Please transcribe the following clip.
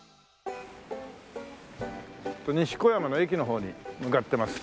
西小山の駅の方に向かってます